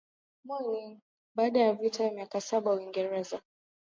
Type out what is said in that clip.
Baada ya Vita ya miaka saba Uingereza